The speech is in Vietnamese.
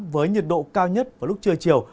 với nhiệt độ cao nhất vào lúc trưa chiều